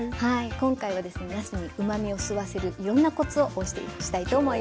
今回はなすにうまみを吸わせるいろんなコツをお教えしたいと思います。